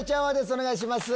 お願いします。